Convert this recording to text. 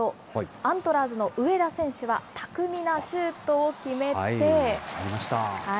アントラーズの上田選手は、巧みなシュートを決めて。